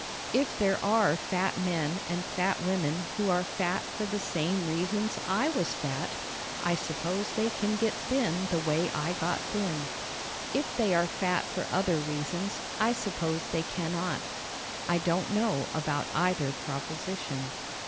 If there are fat men and fat women who are fat for the same reasons I was fat I suppose they can get thin the way I got thin. If they are fat for other reasons I suppose they cannot. I don't know about either proposition.